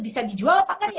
bisa dijual apa kan ya